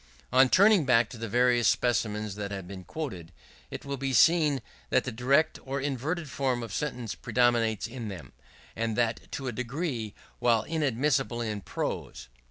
On turning back to the various specimens that have been quoted, it will be seen that the direct or inverted form of sentence predominates in them; and that to a degree quite inadmissible in prose.